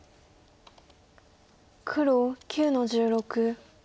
黒９の十六。